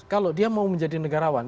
kalau dia mau menjadi negarawan